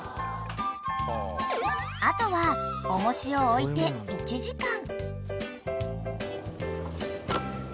［あとは重しを置いて１時間］